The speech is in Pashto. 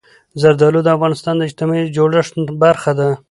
زردالو د افغانستان د اجتماعي جوړښت برخه ده.